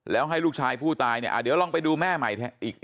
แล้วให้ลูกชายผู้ตายเนี่ยเดี๋ยวลองไปดูแม่ใหม่อีก